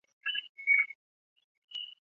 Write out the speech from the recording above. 中文版由青文出版社代理。